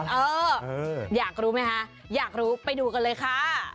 เอออยากรู้ไหมคะอยากรู้ไปดูกันเลยค่ะ